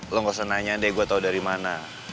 lo gak usah nanya deh gue tau dari mana